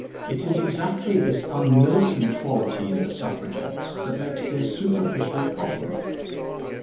It is exactly this unmilitant quality in the Suffragettes that makes their superficial problem.